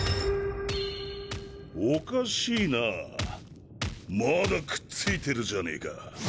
おかしいなぁまだくっついてるじゃねえか。